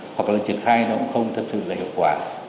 hoặc là triển khai nó cũng không thật sự là hiệu quả